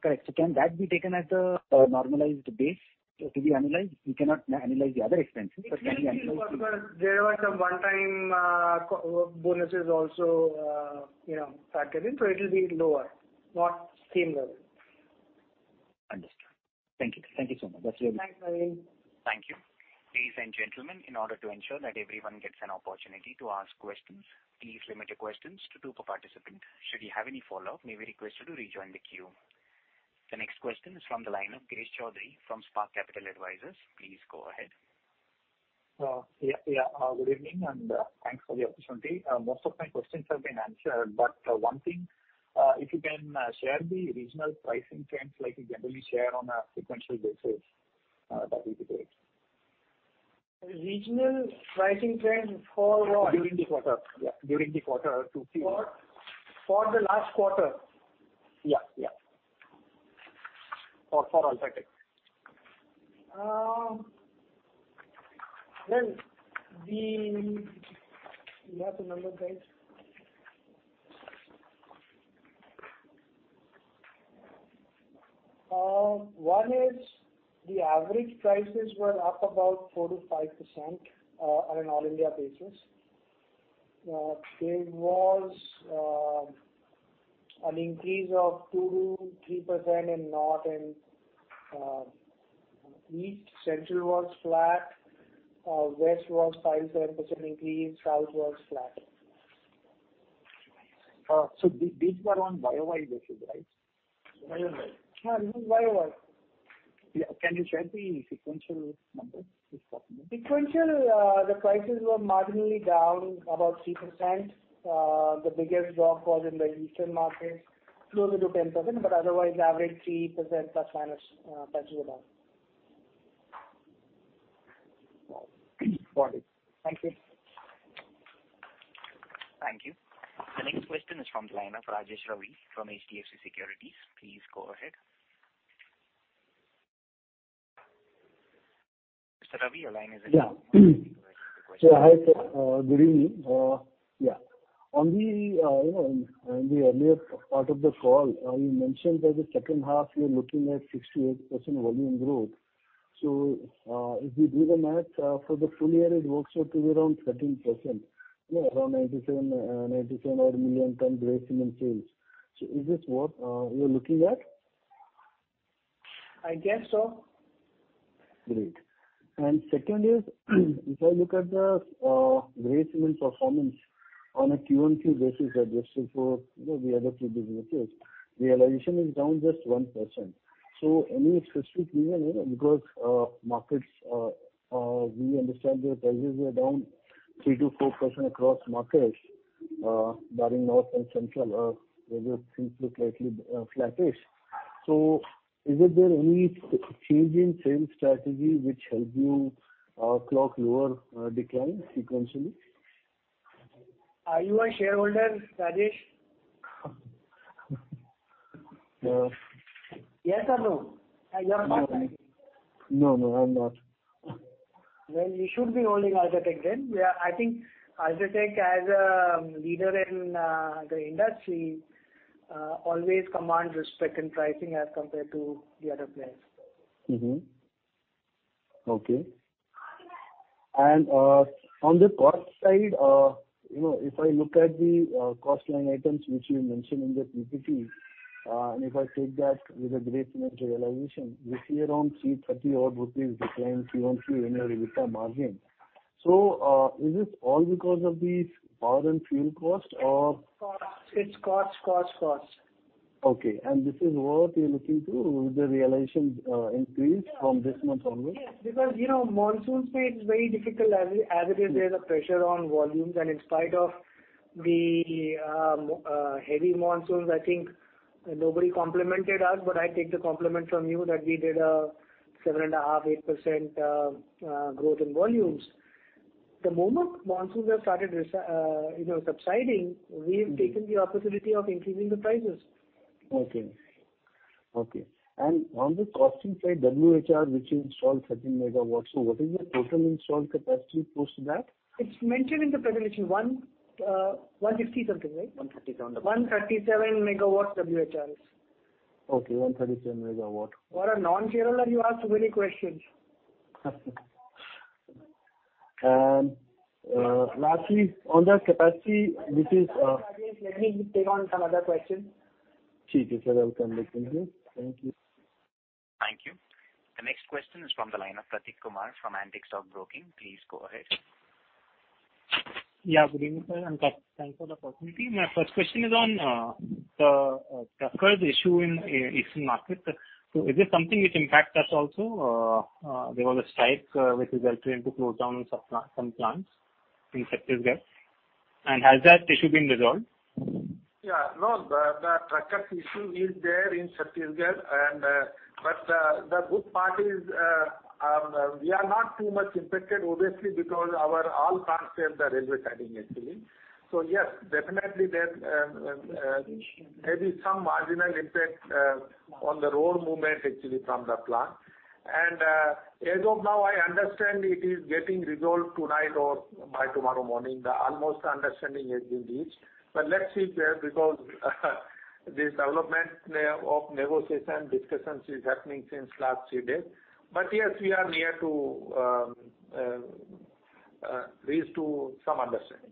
Correct. Can that be taken as a normalized base to be analyzed? We cannot analyze the other expenses. Can we analyze? There were some one-time bonuses also factored in. It will be lower, not same level. Understood. Thank you. Thank you so much. Thanks, Navin. Thank you. Ladies and gentlemen, in order to ensure that everyone gets an opportunity to ask questions, please limit your questions to two per participant. Should you have any follow-up, may we request you to rejoin the queue. The next question is from the line of Girish Choudhary from Spark Capital Advisors. Please go ahead. Yeah. Good evening, and thanks for the opportunity. Most of my questions have been answered. One thing, if you can share the regional pricing trends like you generally share on a sequential basis, that would be great. Regional pricing trends for what? During the quarter, yeah. For the last quarter? Yeah. For UltraTech. Do you have the numbers, Girish? One is the average prices were up about 4%-5% on an all-India basis. There was an increase of 2%-3% in north and east. Central was flat. West was 5%-7% increase. South was flat. These were on YOY basis, right? YOY. Yeah, this is YOY. Can you share the sequential number, if possible? Sequential, the prices were marginally down about 3%. The biggest drop was in the eastern markets, closer to 10%. Otherwise, average 3% plus minus, plus or minus. Got it. Thank you. Thank you. The next question is from the line of Rajesh Ravi from HDFC Securities. Please go ahead. Mr. Ravi, your line is open. You can go ahead with your question. Hi, sir. Good evening. On the earlier part of the call, you mentioned that the second half you're looking at 6%-8% volume growth. If we do the math for the full year, it works out to be around 13%. Around 97 odd million tons gray cement sales, is this what you're looking at? I guess so. Great. Second is, if I look at the gray cement performance. On a QOQ basis adjusted for the other two businesses, realization is down just 1%. Any specific reason? Because markets, we understand their prices were down 3%-4% across markets, barring North and Central, where things look slightly flattish. Is there any change in sales strategy which helps you clock lower decline sequentially? Are you a shareholder, Rajesh? Yes or no? No. No, I'm not. Well, you should be holding UltraTech then. I think UltraTech, as a leader in the industry, always commands respect in pricing as compared to the other players. Mm-hmm. Okay. On the cost side, if I look at the cost line items which you mentioned in the PPT, if I take that with a gray cement realization, we see around 330 rupees odd decline QOQ in your EBITDA margin. Is this all because of the power and fuel cost or- Cost. It's cost, cost. Okay. This is what you're looking to with the realization increase from this month onwards? Yes. Monsoon space is very difficult as it is. There's a pressure on volumes and in spite of the heavy monsoons, I think nobody complimented us, but I take the compliment from you that we did a 7.5%, 8% growth in volumes. The moment monsoons have started subsiding, we've taken the opportunity of increasing the prices. Okay. On the costing side, WHRS, which you installed 13 MW, what is your total installed capacity post that? It's mentioned in the presentation, 150 something, right? 137. 137 MW WHRS. Okay, 137 MW. For a non-shareholder, you ask very questions. Lastly, on the capacity. Rajesh, let me take on some other question. Okay, sir. Welcome. Thank you. Thank you. The next question is from the line of Prateek Kumar from Antique Stock Broking. Please go ahead. Yeah, good evening, sir, and thanks for the opportunity. My first question is on the truckers issue in eastern markets. Is this something which impacts us also? There was a strike which resulted into slowdown in some plants in Chhattisgarh. Has that issue been resolved? Yeah. No, the trucker issue is there in Chhattisgarh, the good part is we are not too much impacted, obviously, because our all plants have the railway siding actually. Yes, definitely there's maybe some marginal impact on the road movement actually from the plant. As of now, I understand it is getting resolved tonight or by tomorrow morning. Almost understanding has been reached. Let's see there because this development of negotiation discussions is happening since last three days. Yes, we are near to reach to some understanding.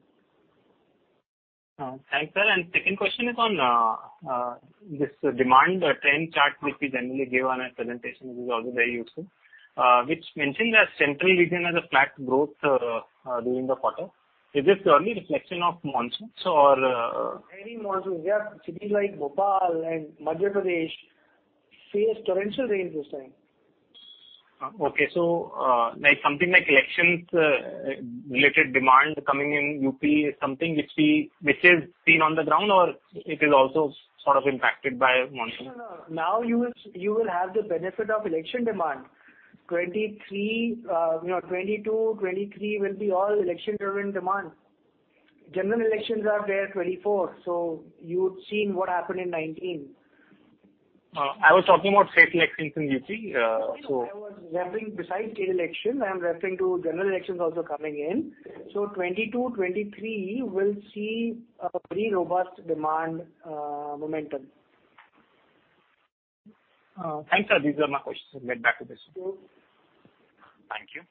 Thanks, sir. Second question is on this demand trend chart which we generally give on a presentation is also very useful, which mentioned that central region has a flat growth during the quarter. Is this purely reflection of monsoons? Any monsoons. We have cities like Bhopal and Madhya Pradesh faced torrential rains this time. Okay. Something like elections related demand coming in UP is something which is seen on the ground, or it is also sort of impacted by monsoon? No. Now you will have the benefit of election demand. 2022, 2023 will be all election-driven demand. General elections are there 2024. You'd seen what happened in 2019. I was talking about state elections in UP. No, I was referring besides state elections, I'm referring to general elections also coming in. 2022, 2023 will see a very robust demand momentum. Thanks, sir. These are my questions. I'll get back to this. Sure. Thank you.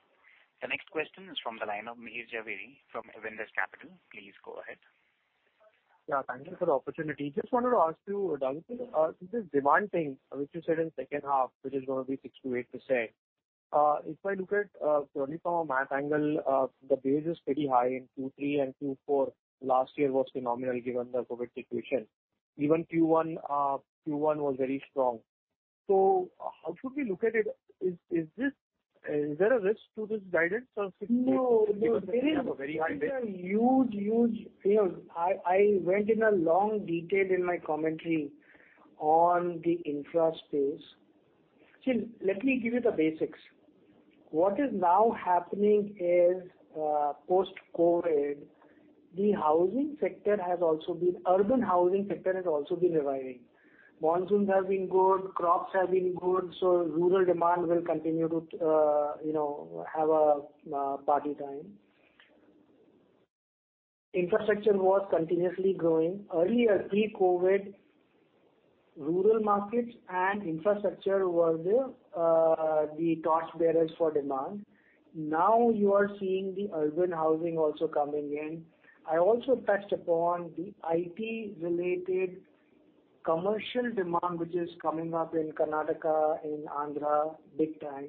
The next question is from the line of Mihir Zaveri from Avendus Capital. Please go ahead. Yeah, thank you for the opportunity. Just wanted to ask you, Dhananjay, this demand thing which you said in second half, which is going to be 6%-8%. If I look at purely from a math angle, the base is pretty high in Q3 and Q4. Last year was phenomenal given the COVID situation. Even Q1 was very strong. How should we look at it? Is there a risk to this guidance of 6%-8%? No. We have a very high base. There is a huge, I went in a long detail in my commentary on the infra space. Let me give you the basics. What is now happening is post-COVID, the urban housing sector has also been reviving. Monsoons have been good, crops have been good, rural demand will continue to have a party time. Infrastructure was continuously growing. Earlier, pre-COVID, rural markets and infrastructure were the torchbearers for demand. You are seeing the urban housing also coming in. I also touched upon the IT-related commercial demand, which is coming up in Karnataka, in Andhra big time,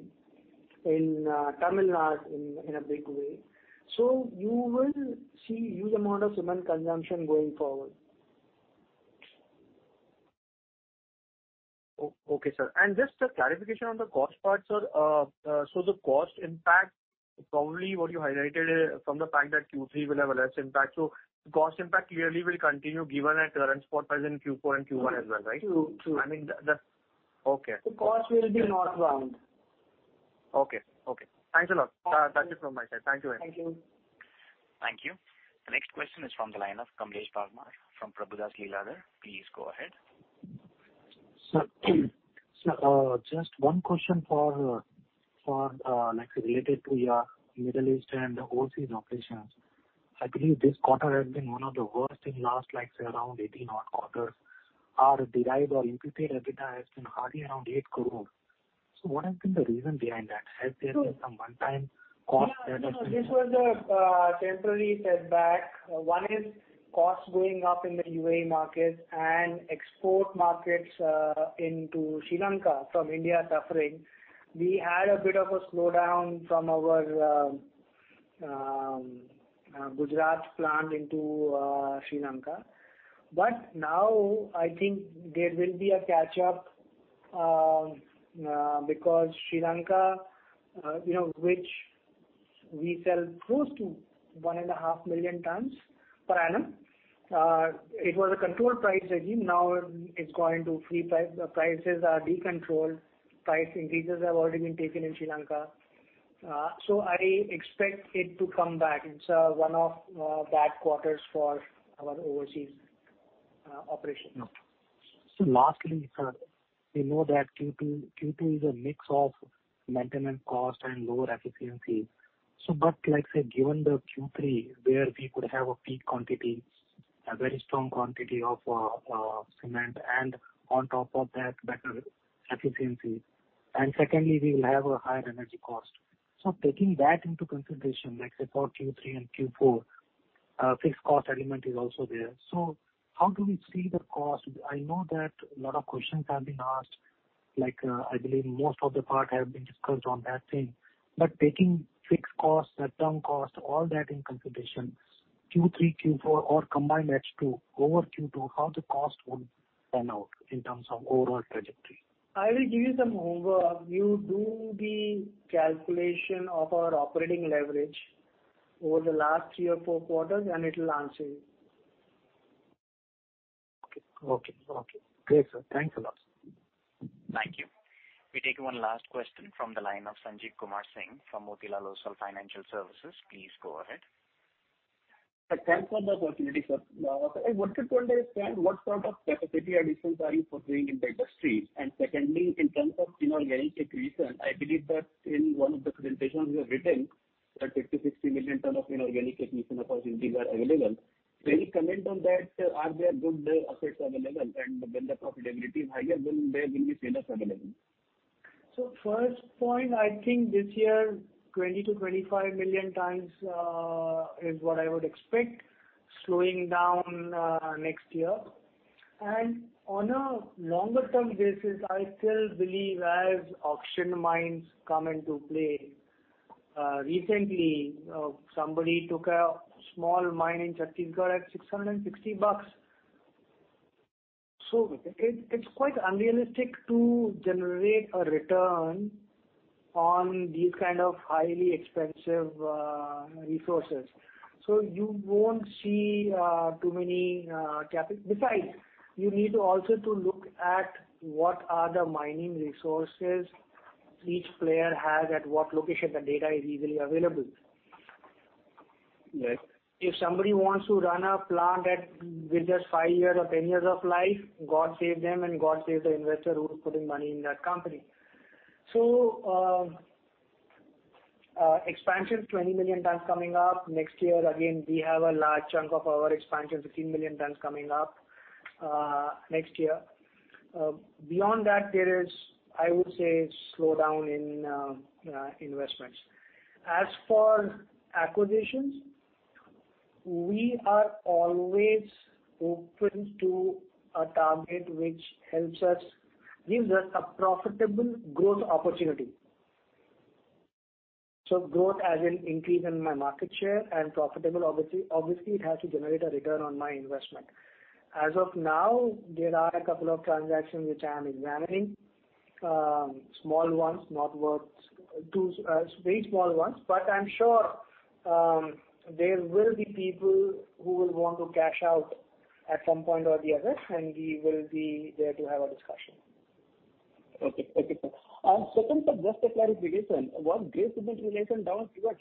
in Tamil Nadu in a big way. You will see huge amount of cement consumption going forward. Okay, sir. Just a clarification on the cost part, sir. The cost impact, probably what you highlighted from the fact that Q3 will have a less impact. Cost impact clearly will continue given at current spot price in Q4 and Q1 as well, right? True. Okay. The cost will be northbound. Okay. Thanks a lot. That's it from my side. Thank you very much. Thank you. Thank you. The next question is from the line of Kamlesh Parmar from Prabhudas Lilladher. Please go ahead. Sir, just one question for, like say, related to your Middle East and overseas operations. I believe this quarter has been one of the worst in last, like say around 18 odd quarters. Our derived or imputed EBITDA has been hardly around 8 crore. What has been the reason behind that? Has there been some one-time cost? This was a temporary setback. One is cost going up in the U.A.E. market and export markets into Sri Lanka from India suffering. We had a bit of a slowdown from our Gujarat plant into Sri Lanka. Now, I think there will be a catch-up, because Sri Lanka, which we sell close to 1.5 million tonnes per annum. It was a controlled price regime, now it's gone into free price. The prices are decontrolled. Price increases have already been taken in Sri Lanka. I expect it to come back. It's one of bad quarters for our overseas operations. Lastly, sir, we know that Q2 is a mix of maintenance cost and lower efficiencies. Like say, given the Q3, where we could have a peak quantity, a very strong quantity of cement, and on top of that, better efficiency. Secondly, we will have a higher energy cost. Taking that into consideration, like say for Q3 and Q4, fixed cost element is also there. How do we see the cost? I know that a lot of questions have been asked, like I believe most of the part have been discussed on that thing. Taking fixed costs, shutdown cost, all that into consideration, Q3, Q4, or combined H2 over Q2, how the cost would pan out in terms of overall trajectory? I will give you some overview. Do the calculation of our operating leverage over the last three or four quarters, and it'll answer you. Okay. Great, sir. Thanks a lot. Thank you. We take one last question from the line of Sanjeev Kumar Singh from Motilal Oswal Financial Services. Please go ahead. Sir, thanks for the opportunity, sir. I wanted to understand what sort of capacity additions are you foreseeing in the industry? Secondly, in terms of inorganic accretion, I believe that in one of the presentations you have written that 50 million, 60 million tons of inorganic accretion opportunities are available. Any comment on that? Are there good assets available? When the profitability is higher, when there will be sellers available. First point, I think this year, 20 million-25 million times is what I would expect, slowing down next year. On a longer term basis, I still believe as auction mines come into play. Recently, somebody took a small mine in Chhattisgarh at INR 660. It's quite unrealistic to generate a return on these kind of highly expensive resources. You won't see too many. Besides, you need to also to look at what are the mining resources each player has, at what location. The data is easily available. Yes. If somebody wants to run a plant with just five years or 10 years of life, God save them and God save the investor who's putting money in that company. Expansion, 20 million tonnes coming up. Next year, again, we have a large chunk of our expansion, 15 million tonnes coming up next year. Beyond that, there is, I would say, slow down in investments. As for acquisitions, we are always open to a target which gives us a profitable growth opportunity. Growth as in increase in my market share and profitable, obviously it has to generate a return on my investment. As of now, there are a couple of transactions which I am examining. Small ones, very small ones. I'm sure, there will be people who will want to cash out at some point or the other, and we will be there to have a discussion. Okay, sir. Second, just a clarification. Was gray cement realization down to 0.5%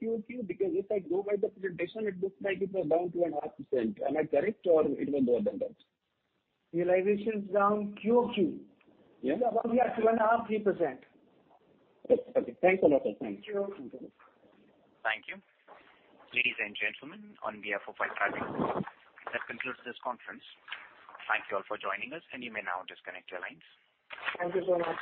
QOQ? If I go by the presentation, it looks like it was down to 0.5%. Am I correct, or it was lower than that? Realization is down QOQ. Yeah. About, yeah, 2.5%, 3%. Okay. Thanks a lot, sir. Thank you. Thank you. Ladies and gentlemen on via phone and private line, that concludes this conference. Thank you all for joining us. You may now disconnect your lines. Thank you so much.